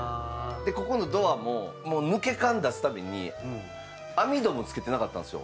でここのドアも抜け感出すために網戸も付けてなかったんですよ。